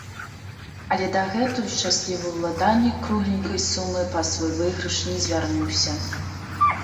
Але дагэтуль шчаслівы уладальнік кругленькай сумы па свой выйгрыш не звярнуўся.